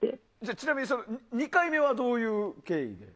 ちなみに２回目はどういう経緯で？